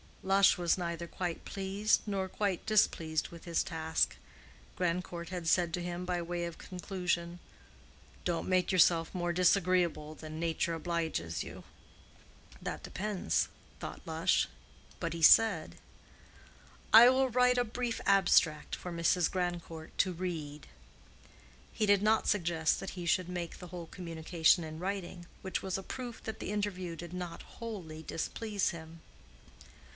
Lush was neither quite pleased nor quite displeased with his task. Grandcourt had said to him by way of conclusion, "Don't make yourself more disagreeable than nature obliges you." "That depends," thought Lush. But he said, "I will write a brief abstract for Mrs. Grandcourt to read." He did not suggest that he should make the whole communication in writing, which was a proof that the interview did not wholly displease him.